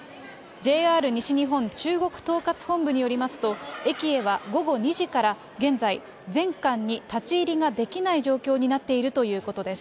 ＪＲ西日本、中国統括本部によりますと、駅へは午後２時から現在、全館に立ち入りができない状況になっているということです。